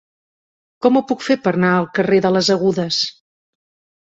Com ho puc fer per anar al carrer de les Agudes?